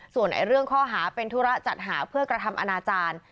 ส่วนเรื่องข้อหาเป็นธุระจัดหาเพื่อกระทำอนาจารย์